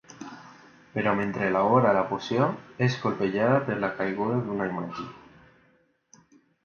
Però mentre elabora la poció, és colpejada per la caiguda d'una imatge.